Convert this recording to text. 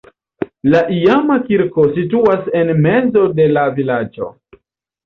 La iama kirko situas en mezo de la vilaĝo.